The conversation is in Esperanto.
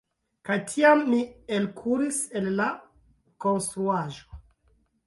Kaj tiam mi elkuris el la konstruaĵo.